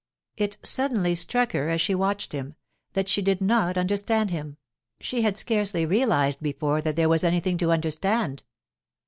It suddenly struck her, as she watched him, that she did not understand him; she had scarcely realized before that there was anything to understand.